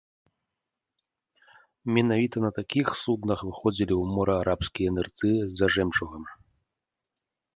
Менавіта на такіх суднах выходзілі ў мора арабскія нырцы за жэмчугам.